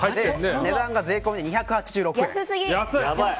値段が税込みで２８６円。